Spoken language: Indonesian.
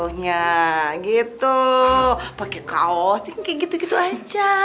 kayak kaos kayak gitu gitu aja